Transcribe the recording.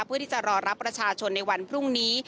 เพื่อที่จะรอรับประชาชนในวันพรุ่งนี้